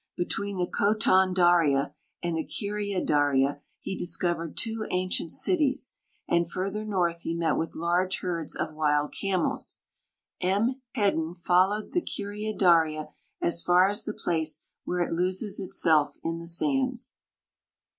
Between the Khotan Daria and the Kiria Daria he discovered two ancient cities, and further north he met with large herds of wild camels. i\I. Iledin followed the Kiria Daria as far as the jJace where it loses itself in the sands.